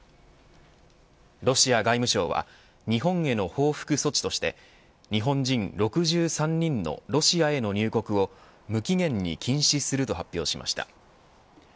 ロシア外務省は日本への報復措置として日本人６３人のロシアへの入国を無期限に禁止すると発表しました。